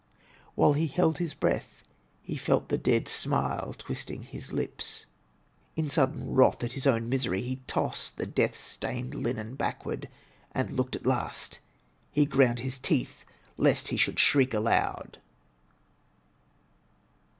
While he held his breath he felt the dead smile twisting his lips. In sudden wrath at his own misery, he tossed the death stained linen backward, and looked at last. He ground his teeth lest he should shriek aloud.